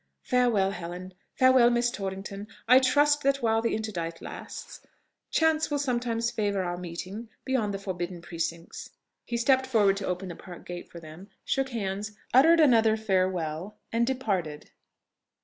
Farewell, Helen! farewell, Miss Torrington! I trust that while the interdict lasts, chance will sometimes favour our meeting beyond the forbidden precincts." He stepped forward to open the Park gate for them, shook hands, uttered another "Farewell!" and departed.